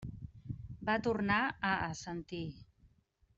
Va tornar a assentir.